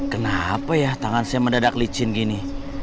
kenapa ya tangan saya mendadak licin gini